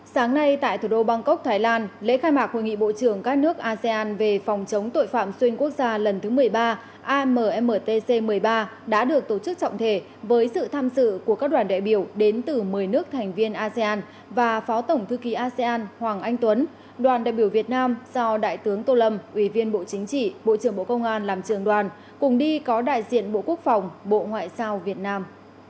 sáng nay tại thủ đô bangkok thái lan lễ khai mạc hội nghị bộ trưởng các nước asean về phòng chống tội phạm xuyên quốc gia lần thứ một mươi ba ammtc một mươi ba đã được tổ chức trọng thể với sự tham sự của các đoàn đại biểu đến từ một mươi nước thành viên asean và phó tổng thư ký asean hoàng anh tuấn đoàn đại biểu việt nam do đại tướng tô lâm ủy viên bộ chính trị bộ trưởng bộ công an làm trường đoàn cùng đi có đại diện bộ quốc phòng bộ ngoại giao việt nam